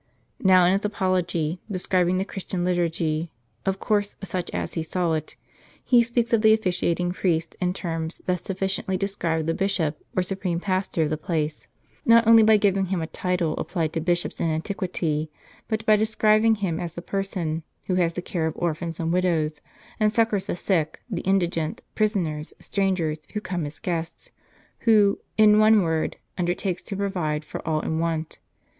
Now in his apology, describing the Christian liturgy, of course such as he saw it, he speaks of the officiating priest in terms that sufficiently describe the bishop, or supreme pastor of the place ; not only by giving him a title applied to bishops in antiquity,* but by describing him as the person Avho has the care of orphans and widows, and succors the sick, the indigent, prisoners, strangers who come as guests, who, "in one word, undertakes to provide for all in want."